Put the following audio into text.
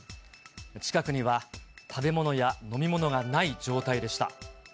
近くには食べ物や飲み物がない状態でした。